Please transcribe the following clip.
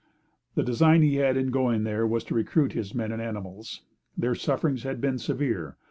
The design he had in going there was to recruit his men and animals. Their sufferings had been severe.